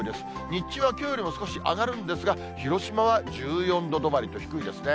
日中はきょうよりも少し上がるんですが、広島は１４度止まりと低いですね。